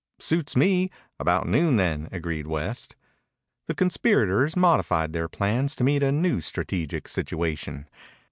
"Suits me. About noon, then," agreed West. The conspirators modified their plans to meet a new strategic situation.